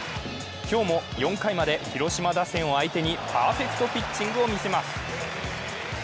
今日も４回まで広島打線を相手にパーフェクトピッチングを見せます。